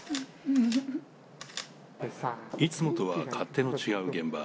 いつもとは勝手の違う現場。